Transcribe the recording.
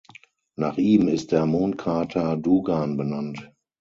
Nach ihm ist der Mondkrater Dugan benannt.